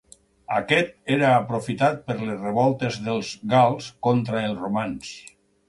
Aquest era aprofitat per les revoltes dels gals contra els romans.